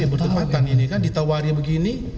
iya bertempatan ini kan ditawari begini